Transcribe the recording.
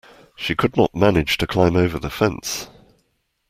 She could not manage to climb over the fence.